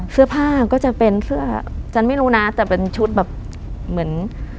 เสื้อผ้าก็จะเป็นเสื้อฉันไม่รู้นะแต่เป็นชุดแบบเหมือน